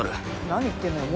何言ってんのよ